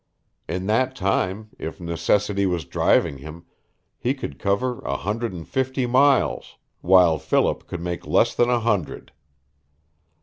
In that time, if necessity was driving him, he could cover a hundred and fifty miles, while Philip could make less than a hundred.